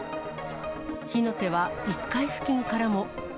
火の手は、１階付近からも。